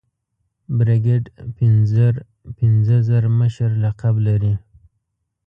برګډ پنځر پنځه زر مشر لقب لري.